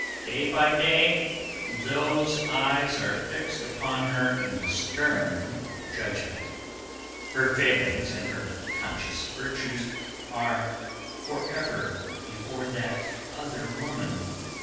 [Sidenote: Day by Day] Day by day, those eyes are fixed upon her in stern judgment. Her failings and her conscious virtues are forever before that other woman.